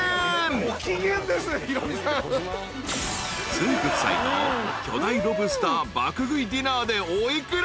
［つんく♂夫妻の巨大ロブスター爆食いディナーでお幾ら？］